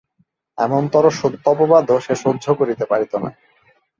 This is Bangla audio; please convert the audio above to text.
এমনতরো সত্য অপবাদও সে সহ্য করিতে পারিত না।